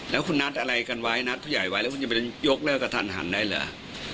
แล้วคุณนัดอะไรกันไว้นัดผู้ใหญ่ไว้แล้วคุณจะไปยกเลิกกับทันหันได้เหรอ